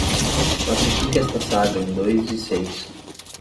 Classifique esta saga em dois de seis.